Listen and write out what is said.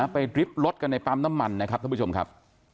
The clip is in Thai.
ไปริบรถกันในปั๊มน้ำมันนะครับท่านผู้ชมครับ